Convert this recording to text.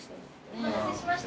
お待たせしました。